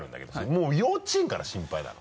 もう幼稚園から心配なの？